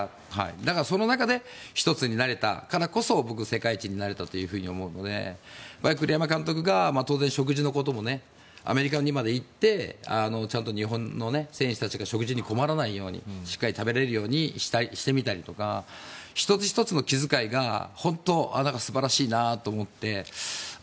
だから、その中で一つになれたからこそ僕は世界一になれたと思うので栗山監督が当然、食事のこともアメリカまで行ってちゃんと日本の選手たちが食事に困らないようにしっかり食べられるようにしてみたりとか１つ１つの気遣いが本当、素晴らしいなと思って。